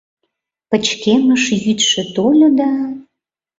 Пычкемыш йӱдшӧ тольо, да